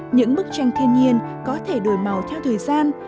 những bức tranh thiên nhiên có thể đổi màu theo thời gian